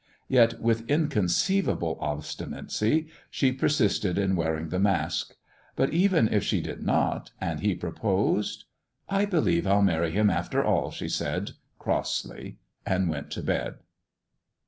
Yet with inconceivable obstinacy she persisted in wearing the mask. But even if she did not, and he proposed? — "I believe Til marry him after all," she said, crossly, and went to bed.